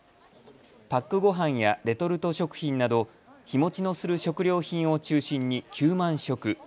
パックごはんやレトルト食品など日もちのする食料品を中心に９万食。